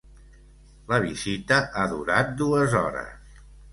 La visita ha durat dues hores.